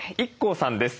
ＩＫＫＯさんです。